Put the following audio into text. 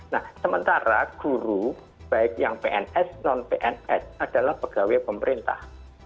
nah sementara guru baik yang pns non pns adalah pegawai pemerintah